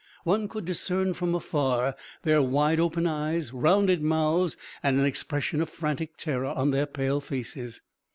One could discern from afar their wide open eyes, rounded mouths, and an expression of frantic terror on their pale faces.